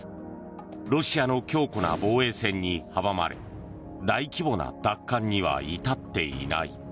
ロシアの強固な防衛線に阻まれ大規模な奪還には至っていない。